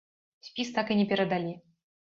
Спіс так і не перадалі.